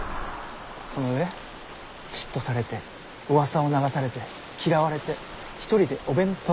その上嫉妬されてうわさを流されて嫌われて一人でお弁当を食べる。